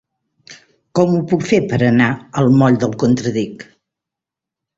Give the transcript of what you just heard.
Com ho puc fer per anar al moll del Contradic?